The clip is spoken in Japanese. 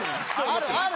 ・あるある！